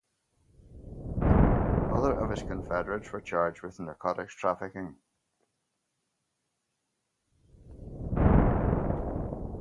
Other of his confederates were charged with narcotics trafficking.